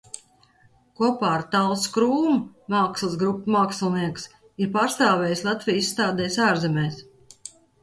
Kopā ar Talsu Krūmu mākslas grupu mākslinieks ir pārstāvējis Latviju izstādēs ārzemēs.